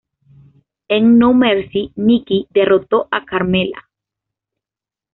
En No Mercy, Nikki derrotó a Carmella.